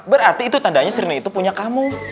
berarti itu tandanya si rina itu punya kamu